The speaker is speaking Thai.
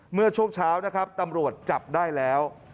เมื่อช่วงเช้านะครับตำรวจจับได้แล้ว